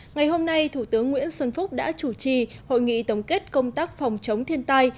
ngày hôm nay thủ tướng nguyễn xuân phúc đã chủ trì hội nghị tổng kết công tác phòng chống thiên tai